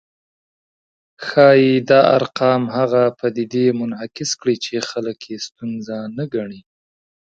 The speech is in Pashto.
ښايي دا ارقام هغه پدیدې منعکس کړي چې خلک یې ستونزه نه ګڼي